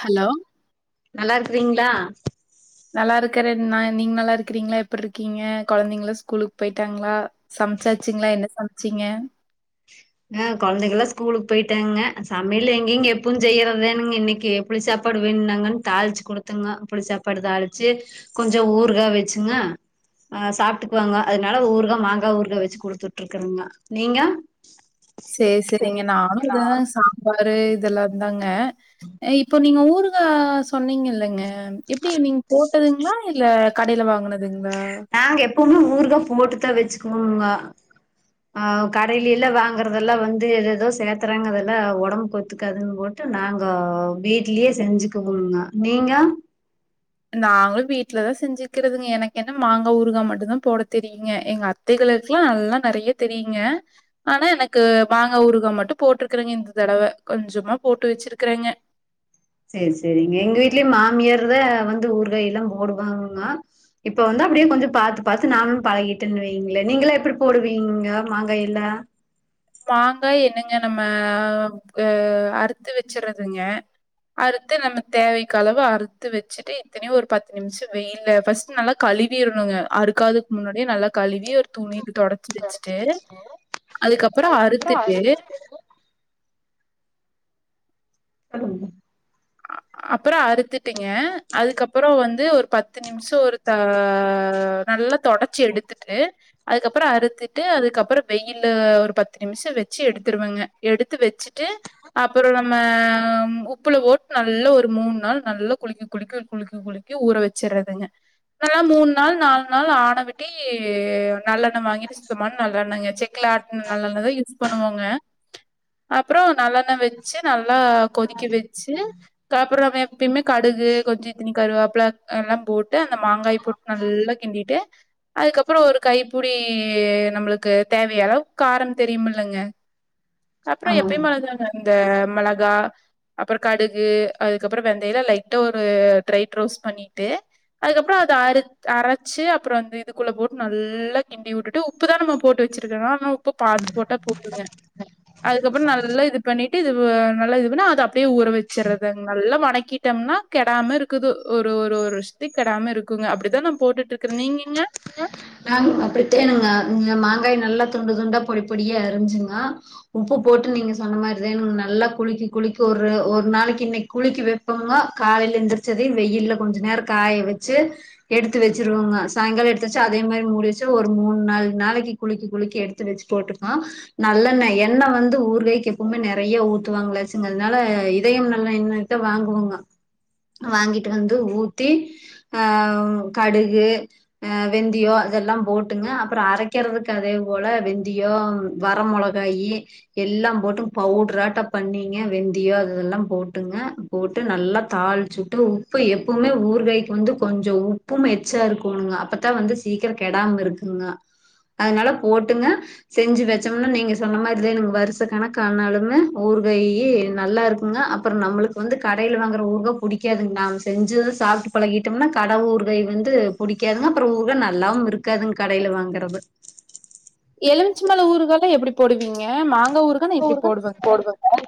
Hello நல்லா இருக்கறீங்களா நல்லா இருக்கறேன் ந நீங்க நல்லா இருக்கிறீங்களா எப்படி இருக்கீங்க குழந்தைங்களாம் ஸ்கூலுக்கு போயிட்டாங்களா சமைச்சாச்சுங்களா என்ன சமைச்சீங்க ஆஹ் குழந்தைகளுக்கெல்லாம் ஸ்கூலுக்கு போயிட்டாங்க சமையல்ல எங்கங்க எப்ப செய்யறதுன்னு தான் இன்னைக்கு புளி சாப்பாடு வேணுனாங்கன்னு தாளிச்சு குடுத்துங்க புளி சாப்பாடு தாளிச்சு கொஞ்சம் ஊருகா வச்சுங்க ஆஹ் சாப்பிட்டுக்குவாங்க அதனால ஊருகா மாங்காய் ஊருகா வச்சு குடுத்துட்டு இருக்கேங்க நீங்க சேரி சேரிங்க நானும் இதான் சாம்பாரு இதெல்லாம்தாங்க இப்போ நீங்க ஊர் ஊர்கா சொன்னீங்க இல்லைங்க எப்படி நீங்க போட்டதுங்களா இல்ல கடையில வாங்கினது நாங்க எப்பவுமே ஊருக போட்டுத வச்சு போனுங்க ஆஹ் கடையிலல்ல வாங்கறதெல்லாம் வந்து ஏததோ சேத்துறாங்க உடம்பு கொத்துக்காதுன்னு போட்டு நாங்க வீட்லயே செஞ்சுக்குவோங்க நீங்க நாங்களும் வீட்டுலதான் செஞ்சுக்கிறதுங்க எனக்கு என்ன மாங்காய் ஊருகா மட்டும் தான் போட தெரியுங்க எங்க அத்தைைகளுக்குல்லாம் நல்லாம் நிறைய தெரியுங்க ஆனா எனக்கு மாங்காய் ஊருகா மட்டும் போட்டிருக்கறேங்க இந்த தடவை கொஞ்சமா போட்டு வச்சிருக்கறேங்க சேரி சேரிங்க எங்க வீட்லயே மாமியார்த வந்து ஊரு காய் எல்லாம் போடுவாங்க இப்ப வந்து அப்படியே கொஞ்சம் பாாரத்து பார்த்து நானும் பழகிட்டுன்னு வைங்களே நீங்கள எம் எப்படி போடுவீங்க மாங்காய் எல்லாம் மாங்காய் என்னங்க நம்மஹ அஹ் அறுத்து வச்சறதுங்க அறுத்து நம்ம தேவைக்க அளவு அறுத்து வச்சுட்டு இத்தனையோ ஒரு பத்து நிமிஷம் வெயல ஃபஸ்ட் நல்லா கழுவிரணுங்க அறுக்காதுக்கு முன்னாடியே நல்லா கழுவி ஒரு துணி இருக்கு தொடச்சு வச்சுட்டு அதுக்கப்புறம் அப்புறம் அறுத்துட்டு அ அப்புறம் அறுத்துட்டுங்க அதுக்கப்புறம் வந்து ஒரு பத்து நிமிஷம் ஒரு த நல்லா துடைச்சி எடுத்துட்டு அதுக்கப்புறம் அறுத்தட்டு அதுக்கப்புறம் வெயில ஒரு பத்து நிமிஷம் வச்சு எடுத்துடுவங்க எடுத்து வச்சுட்டு அப்புறம் நம்ம உப்புல ஓட நல்ல ஒரு மூணு நாள் நல்ல குளிக்க குளிக்கி குளிக்கி குளிக்கி ஊற வச்சடுறதுங்க நல்லா மூணு நாள் நாலு நாள் ஆனைவிட்டி நல்லெண்ண வாங்கிட்டு சுத்தமான நல்லெண்ணங்க செக்ல ஆ நல்ல பண்ணுவாங்க அப்புறம் நல்ல எண்ண வச்சு நல்லா கொதிக்க வச்சு அ அப்புறம் எப்பயுமே கடுகு கொஞ்சம் இஞ்சி கருவப்பிள்ள எல்லாம் போட்டு அந்த மாங்காய் போட்டு நல்லா கிண்டிட்டு அதுக்கப்புறம் ஒரு கைப்படி நம்மளுக்கு தேவையலவுக்கு காரம் தெரியும்லங்க அப்புறம் ஆமாங்க எப்பயுமாந்தாங்க அந்த மிளகா அப்புறம் கடுகு அதுக்கப்பறம் வெந்தைய ஒரு ட்ரை ரோஸ்டு பண்ணிட்டு அதுக்கப்புறம் அரைச்சு அப்புறம் இதுக்குள்ள போட்டு நல்லா கிண்டி விட்டுட்டு உப்புதான் நம்ம போட்டு வச்சிருக்க ஆனா உப்பு பாார்த்து போட்டா போதுங்க அதுக்கப்புறம் நல்லா இது பண்ணிட்டுது நல்ல பண்ண அப்படியே ஊற வச்ச வச்சிறத நல்லா வணக்கிட்டோம்னா கெடாம இருக்குது ஒரு ஒரு ஒரு வருஷத்துக்கு கிடாம இருக்குங்க அப்படிதான் நான் போட்டுட்டு இருக்கறேன் நீங்கங்க நாங்க அப்படித்தணுங்க நீங்க மாங்காய் நல்லா துண்டு துண்டா பொடி பொடியே அரிஞ்சுங்க உப்பு போட்டு நீங்க சொன்ன மாரி தேணுங்க நல்லா குளிக்க குளிக்க ஒரு ஒரு நாளைக்கு இன்னைக்கு குளிக்க வைப்போங்க காலையில எழுந்திரிச்சதையும் வெயில்ல கொஞ்சம் நேரம் காய வச்சு எடுத்து வச்சிருவோங்க சாயங்காலம் எடுத்துவச்சு அதே மாரி முடிச்சு ஒரு மூணு நாலு நாளைக்கு குளிக்கி குளிக்கி எடுத்து வச்சு போட்டுருக்கோம் நல்லெண்ண எண்ணெய் வந்து ஊரு காய்க்கு எப்பவுமே நிறைய ஊத்துவாங்களாச்சுங்கனால இதயம் நல்லண்ணய வாங்குவோங்க வாங்கிட்டு வந்து ஊத்தி கடுகு வெந்தியோ அதெல்லாம் போட்டுங்க அப்புறம் அரைக்கிறதுக்கு அதே போல வெந்தியோ வர மிளகாய் எல்லாம் போட்டு பவுட்ராட்டா பண்ணிங்க வெந்தியோ அதெல்லாம் போட்டுங்க போட்டு நல்லா தாளிச்சுட்டு உப்பு எப்பவுமே ஊரு காய்க்கு வந்து கொஞ்சம் உப்பும் எச்சா இருக்கும்ங்க அப்ப வந்து சீக்கிரம் கெடாம இருக்குங்க அதனால போட்டுங்க செஞ்சு வச்சோம்னா நீங்க சொன்ன மாரி வருஷ கணக்கானாலுமே ஊறு நல்லா இருக்குங்க அப்புறம் நம்மளுக்கு வந்து கடில வாங்குற ஊறுகாய் பிடிக்காதுங்க நாம் செஞ்சு சாப்பிட்டு பழகிட்டோம்னா கடை ஊறுகை வந்து பிடிக்காதுங்க அப்புறம் ஊக நல்லாவும் இருக்காதுங்க கடையில வாங்கறது எலுமிச்சி பழம் ஊருக்கெல்லாம் எப்படி போடுவீங்க மாங்க அ ஊறு தான் போடுவங்க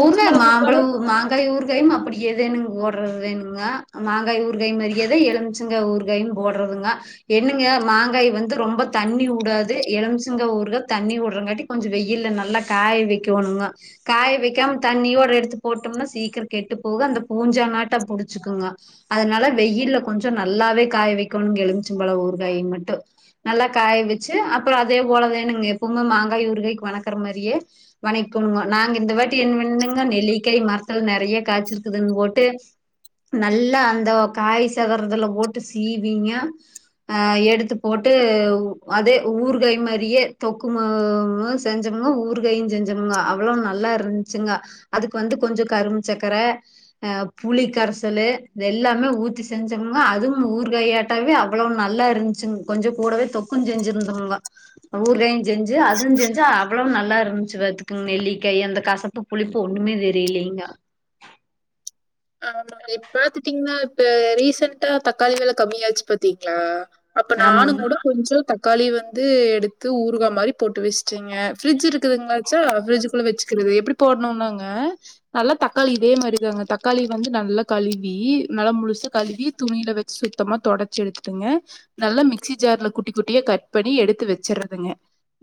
ஊரு த பழ ஊறுகாலா மாம்பழம்ஊறு மாங்காய் ஊறுகாயும் அப்படி எதுங்கு மாங்காய் ஊறுகாய் மரியாதை எலும்சைங்க ஊறுகாயும் போடுறதுங்க என்னங்க மாங்காய் வந்து ரொம்ப தண்ணி ஊடாது எலம்சிங்க ஊறுாய் தண்ணி விடுறங்காட்டி கொஞ்சம் வெ வெயில் நல்லா காய வைக்கணுங்க காய வைக்காம தண்ணியோட எடுத்து போட்டோம்னா சீக்கிரம் கெட்டு போக அந்த பூஞ்சா நாட்டா புடிச்சுக்குங்க அதனால வெயில் கொஞ்சம் நல்லாவே காய வைக்கணும்ங்க எலுமிச்சிம்பழம் ஊறுகாயை மட்டும் நல்லா காய வச்சு அப்புறம் அதே போலதானுங்க எப்பவுங்க மாங்காய் ஊறுகாய்க வணக்க மாரியே வணக்கணு நாங்க இந்த வாட்டி என்னங்க நெல்லிக்காய் மரத்துல நிறைய காய்ச்சிருக்குதுன்னு போட்டு நல்லா அந்த காய் சதுறதுல போட்டு சீவிங்க அஹ் எடுத்து போட்டு அதே ஊறு காய் மாரியே தொக்குமு செஞ்சவங்க ஊர் கையும் செஞ்சவங்க அவ்வளவு நல்லா இருந்துச்சுங்க அதுக்கு வந்து கொஞ்சம் கரும்புச்சக்கர ஆஹ புளி கரைசல்ு எல்லாமே ஊற்றி செஞ்சவங்க அதுவும் ஊர் கையாட்டாவே அவ்வளவு நல்லா இருந்துச்சுங்க கொஞ்சம் கூடவே தொக்குன்ன செஞ்சிருந்தவங்க ஊர் க செஞ்சு அததுஞ்செஞ்சு அவ்வளவு நல்லா இருந்துச்சு வத்துக்குங்க நெல்லிக்கை அந்த கசப்பு புளிப்பு ஒண்ணுமே தெரியலலைங்க ஆமா இப்ப பாத்துட்டீங்கன்னா இப்ப ரீசென்டா தக்காளி வேலை கம்மியாச்சு பார்த்தீங்களா அப்ப நானும் ஆமாங்க கூட கொஞ்சோ த. களி வந்து எடுத்து ஊருகா மாரி போட்டு வச்சுட்டேங். க ஃரிட்ஜ் இருக்குதுங்களா. ஜ ஃப்ரிட்ஜ் குள்ள வச்சுக்கிறது எப்படி போடனும்னாங்க நல்லா தக்காளி இதே மாரிதாங்க தக். தக்காளி வந்து நல்லா கழுவி நல்லா முழுசா கழுவி துணியில வச்சு சுத்தமாக தொடச்சி எடுத்துட்டுங்க. நல்லா மிக்சி ஜார்ல குட்டி குட்டியா கட் பண்ணி எடுத்து வச்சறதுங்க.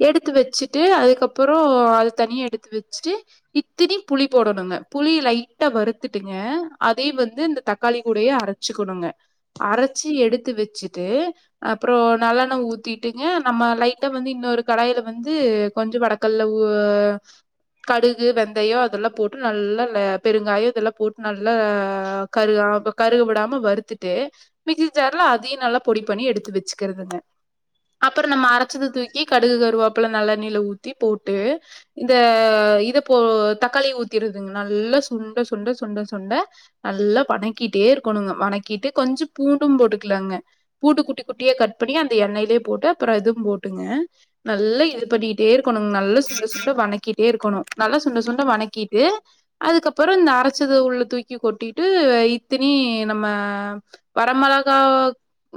எடுத்து வச்சுட்டு அதுக்கப்புறோ அது தனியா எடுத்து வச்சுட்டு இத்தினி புளி போடணுங்க புளி லைட்டா வறுத். த்துட்டுங்க அதே வந்து இந்த தக்காளி கூடயே அரச்சிக்கணுங்க. அரச்சு எடுத்து வச்சுட்டு அப்புறோ நல்லெண்ண ஊத்திட்டுங்க நம்ம லைட்டா வந்து இன்னொரு கடாயில வந்து கொஞ்சோ வடக்கல்ல உ கடுகு வெந்தயோ அதெல்லா போட்டு நல்லா பெருங்காயம் இதல்லா. போட்டு நல்லா கருகாம கருகுபடாம வருறுத்துட்டு. மிக்சி ஜார்ல அதயும் நல்லா பொடி பண்ணி எடுத்து வச்சுக்கிறதுங்க. அப்புறோ நம்ம அரச்சத தூக்கி கடுகு கருவாப்புல நல்லெண்ணிலா ஊத்தி போட்டு இந்த இத போ தக்காளி ஊத்திருதுங்க நல்ல சுண்ட. சுண்ட சுண்ட சுண்ட நல்லா வணக்கிட்டே இருக்கணு வணக்கிட்டு கொஞ்சோ பூண்டும் போட்டுக்கலாங்க. பூண்டு குட்டி குட்டிய கட் பண்ணி அந்த எண்ணெயிலயே போட்டு அப்புறோ இதும் போட்டு நல்லா இது பண்ணிட்டே இருக்கணுங்க நல்ல சுண்ட சுண்ட வதக்கிட்டே இருக்கணு நல்ல சுண்ட சுண்ட வணக்கிட்டு அதுக்கப்புறோ இந்த. அரச்சது உள்ள தூக்கி கொட்டிட்டு இத்தினி நம்ம வரமிளகா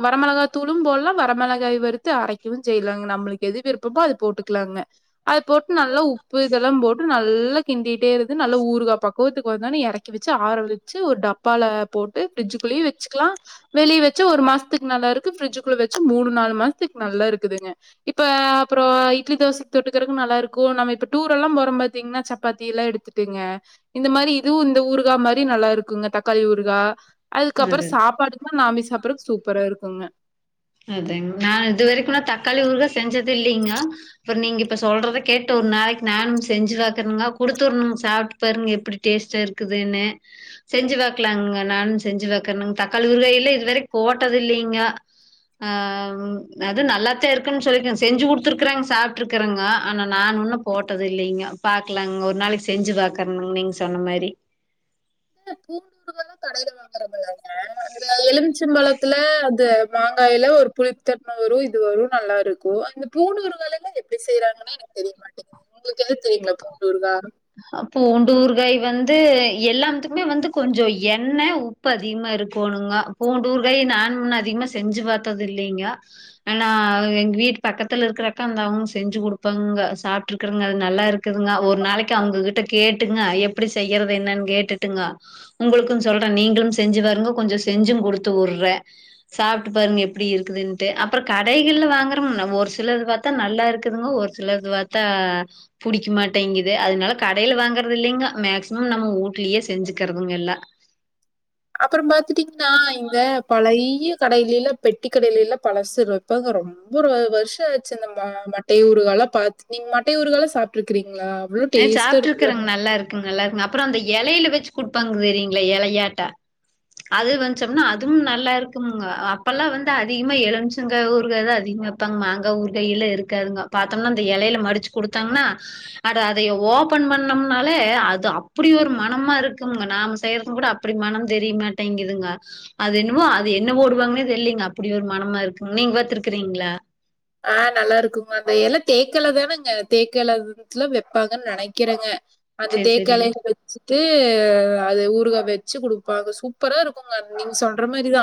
வரமிளகாத் தூளும் போடுலா வரமிளகாய் வறுத்து அரைக்கவும் செய்யலாங்க நம்மளுக்கு எது விருப்பமோ அது போட்டுக்கலாங்க. அது போட்டு நல்லா உப்பு இதெல்லாம் போட்டு நல்லா கிண்டிட்டே இருந்து நல்லா ஊறுகா பக்குவத்துக்கு. பொதுன்னு இறக்கி வைச்சு ஆற வச்சு ஒரு டப்பால போட்டு பிர்ஜிக்குள்ளயு வச்சுக்கலா வெளிய வச்சு ஒரு மாசத்துக்கு நல்லா இருக்கு பிரிட்ஜக்குள்ள வச்சு மூனு நாலு மாசத்துக்கு நல்லா இருக்குதுங்க. இப்ப அ அப்பறோ இட்லி தோசைக்கு தொட்டுக்குறக்கு நல்லா இருக்கும் நம்ம இப்ப டூர் எல்லாம் போறோம் பாத்தீங்கன்னா சப்பாத்தி எல்லா எடுத்துட்டுங்க இந்த மாரி. து இந்த ஊருகா மாரி நல்லா இருக்குங்க தக்காளி ஊருகா. அதுக்கப்புறோ அது சாப்பாடுக்கும் நாமி சாப்புறத்துக் சூப். அப்புறோ இருக்குங்க. அதாங்க நா இதுவரைக்கும் நா தக்காளி ஊறுகா செஞ்சது இல்லைங்க. அப்புறோ நீங்க இப்ப சொல்றத கேட்ட ஒரு நாளைக்கு நானும் செஞ்சு பாக்குறனுங்க குடுத்துரணுங்க சாப்பிட்டு பாருங்க எப்படி டேஸ்ட்டா இருக்குதுன்னு செஞ்சு பாக்கலாங்க நானும் செஞ்சு பாக்கறனுங் தக்காளி ஊருகா இல்ல இதுவரைக்கும் போட்டது இல்லைங்க. ஆஹ அது நல்லாத்தே இருக்குன்னு சொல்லிருக்கேங்க செஞ்சு கொடுத்துருக்கறாங்க சாப்புட்டு இருக்குறங்க ஆனா நா உண்ணும் போட்டது இல்லைங்கோ பாக்கலாங்க ஒரு நாளைக்கு செஞ்சு பாக்கறனுங்க நீங்க சொன்ன மாரி. பூண்டு ஊறுகல்லா கடையில வாங்குறமல்லங்க அந்த எலுமிச்சம்பழத்துல அந்த மாங்காயில ஒரு புளித்தன்ம வரும் இது வரும் நல்லா இருக்கும் இந்த பூண்டு ஊறுகாய்ல்ல எப்படி செய்யறாங்கன்னு எனக்கு தெரியமாட்டேங்கு. து உங்களுக்கு எது தெரியுங்களா பூண்டு ஊறுகா. பூண்டு ஊறுகாய் வந்து எல்லாத்துக்குமே வந்து கொஞ்சோ எண்ணெ உப்பு அதிகமா இருக்கோணுங்க பூண்டு ஊறுகாய் நானு உன்னு அதிகமா செஞ்சு பாத்தது இல்லைங்கோ. ஆனா எங்க வீட்டு பக்கத்துல இருக்கறக்கா அந்த அவங்க செஞ்சு கொடுப்பாங்க சாப்பிட்டு இருக்குறங்க அது நல்லா இருக்குதுங்க ஒரு நாளைக்கு. அவங்ககிட்ட கேட்டுங்க எப்படி செய்யறது என்னன்னு கேட்டுட்டுங்க. உங்களுக்கும் சொல்ற நீங்களும் செஞ்சு பாருங்க கொஞ்சோ செஞ்சும் குடுத்து உடுற சாப்பிட்டு பாருங்க எப்படி இருக்குதுன்ட்டு அப்புறோ கடைகள்ல வாங்குற ஒரு சிலது பாத்தா நல்லா இருக்குதுங்க ஒரு சிலது பாத்தா புடிக்க மாட்டேங்குது. அதனால கடையில வாங்கறது இல்லைங்க மேக்சிமம் நம்ம ஊட்லயே செஞ்சுக்கிறதுங்க எல்லா. அப்புற பாத்துட்டீங்கன்னா இங்க பழைய கடையில எல்லா பெட்டி கடையில எல்லா பழசு இப்போங்க ரொம்ப வருஷோ ஆச்சு இந்ந ம மட்டை ஊறுகால்லாம் பாத்து நீங்க மட்டை ஊறுகால்லா சாப்பிட்டு இருக்கிறீங்களா. ஹ சாப்புட்டுருக்குறங்க நல்லா இருக்குங்க நல்லா இருக்கு. அப்பறோ அந்த இலையில வச்சு குடுப்பாங்க தெரியங்கள இலையாட்டோ. அது வச்சோம்னா அதுவும் நல்லா இருக்குங்க அப்பெல்லா வந்து அதிகமா எழும்ச்சங்கா ஊறுகாதா அதிகமா வைப்பாங்க மாங்கா ஊறுகாய் எல்லா இருக்காதுங்க பாத்தோம்னா அந்த இலையில மடிச்சு குடுத்தாங்கன்னா. அட அதைய ஓபன் பண்ணோம்னாலே அது அப்படி ஒரு மனமா இருக்குங்க நாம செய்யறதும் கூட அப்படி மனம் தெரியமாட்டேங்குதுங்க. அது என்னவோ அது என்ன ஓடுவாங்கன்னே தெரியங்க அப்படி ஒரு மனமா இருக்குங்க நீங்க பாத்துருக்கிறீங்களா. ஆஹ நல்லா இருக்குங்க அது எல்லா தேக்கெல தானேங்க தேக்கெல இதுல வப்பாங்கன்னு நனைக்கிறங்க. அந்த சரி, சரி. தேக்கெலைய வச்சுட்டு. அது ஊருகா வச்சு குடுப்பாங்க சூப்பரா இருக்குங்க நீங்க சொல்ற மாரிதா.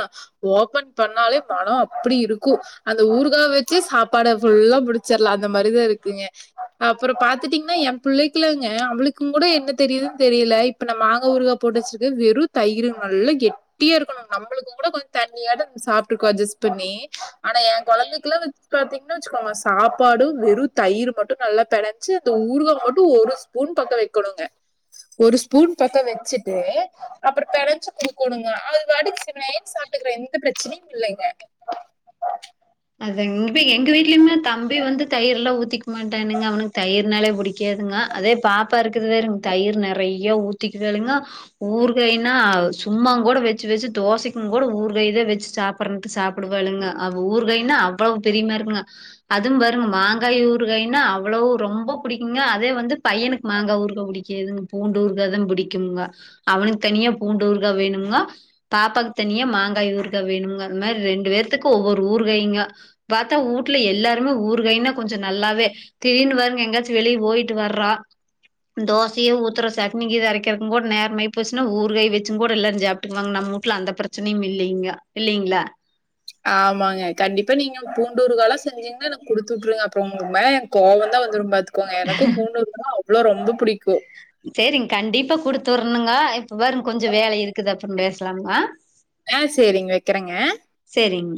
ஓபன் பண்ணாலே மனம் அப்படி இருக்கு அந்த ஊறுகா வச். சு சாப்பாட ஃபுல்லா முடிச்சுறுலா அந்த மாரிதா இருக்குங்க அப்புறோ பாத்துட்டீங்கன்னா எம் புள்ளைக்கிள்ளாங்க அவளுக்கும் கூட என்ன தெரியுதுன்னு தெரியல இப்ப நா மாங்கா ஊறுகா போட்டு வச்சிருக்க வெறும் தயிருங் நல்லா கெட்டியா இருக்கணும் நம்மளுக்கும் கூட கொஞ்சோ தண்ணியாட சாப்பிட்டுருக்கோ அட்ஜஸ்ட் பண்ணி ஆனா என் குழந்தைக்கல்லா. பாத்தீங்கன்னா வச்சுக்கோங்க சாப்பாடு வெறும் தயிர் மட்டும் நல்லா பிணைஞ்சு அந்த ஊறுகா மட்டும் ஒரு ஸ்பூன் பக்கம் வைக்கணுங்க. ஒரு ஸ்பூன் பக்கம் வச்சுட்டு அப்புறோ பிணைஞ்சு குடுக்கோணுங்க அது வாட்டுக்கு சிவனேன்னு சாப்பிட்டுக்கிற எந்த பிரச்சனையும் இல்லைங்க. அதாங் இங்க போய் எங்க வீடலயுமே தம்பி வந்து தயிர் எல்லா ஊத்திக்க மாட்டானுங்க அவனுக்கு தயிர்னாலே பிடிக்காதுங்க அதே பாப்பா இருக்குது பாருங்க தயிர் நெறைய ஊத்திக்குவாளுங்க ஊறுகாய்னா சும்மா கூட வச்சு வச்சு தோசைக்கும் கூட ஊறுகாய்தா வச்சு சாப்புடுறன்ட்டு சாப்புடுவாளுங்க அவ ஊறுகாயின். அவ்ளோவு பிரியமா இருக்குங்க அதுவும்ங்க பாருங்க மாங்காய் ஊறுகாய்னா அவ்ளோ ரொம்ப பிடிக்குங்க அதே வந்து பையனுக்கு மாங்காய் ஊறுகா புடிக்காதுங் பூண்டுஊர்காதா புடிக்குங்க. அவனுக்கு தனியா பூண்டு ஊறுகா வேணுங்க பாப்பாக்கு தனியா மாங்காய் ஊறுகாயன வேணும்ங்க இந்த மாரி ரெண்டு பேத்துக்கு ஒவ்வொரு ஊறு. சேரிங்கோ. பார்த்தா வூட்ல எல்லாருமே ஊறுகாய்னா கொஞ்சோ நல்லாவே திடீர்னு பாருங்க எங்காச்சும் வெளியே போயிட்டு வர்றோ. தோசைய ஊத்துற சடனி கீது அரைக்கிறக்கூட நேரமாயி போச்சுன்னா ஊறுகாய் வச்சுங் கூட எல்லாரும் சாப்பிட்டுக்குவாங்க நம்ம வூட்ல அந்த பிரச்சனையும் இல்லைங்க இல்லைங்களா. ஆமாங்க கண்டிப்பா நீங்க பூண்டுஊறுகாலாம் செஞ்சீங்கன்னா குடுத்து வுட்டுருங்க அப்புறோ உங்களுக்கு மேல எனக்கு கோவம்தா வந்துரு பாத்து. இப்ப எனக்கும் பூண்டு ஊறுகானா அவ். அவ்வளோ ரொம்ப புடிக்கு. சேரிங்க கண்டிப்பா குடுத்துரணுங்க இப்ப பாருங்க கொஞ்சோ வேல இருக்குது அப்றோ பேசலாமங்கோ. ஆஹ சேரிங்க வைக்கறங்க. சேரிங்